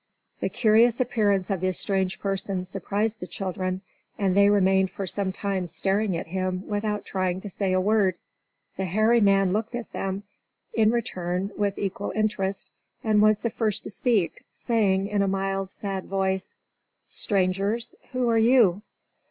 The curious appearance of this strange person surprised the children, and they remained for some time staring at him without trying to say a word. The hairy man looked at them, in return with equal interest, and was the first to speak, saying in a mild, sad voice: "Strangers, who are you?"